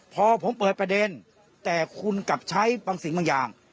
พอผมเปิดประเด็นแต่คุณกลับใช้บางสิ่งบางอย่าง